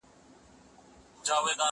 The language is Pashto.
زه مخکي سفر کړی و!!